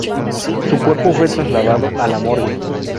Su cuerpo fue trasladado a la morgue.